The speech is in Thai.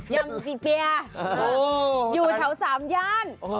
ยำผีเปียอยู่แถว๓ย่าน